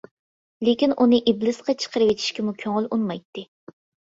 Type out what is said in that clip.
لېكىن ئۇنى ئىبلىسقا چىقىرىۋېتىشكىمۇ كۆڭۈل ئۇنىمايتتى.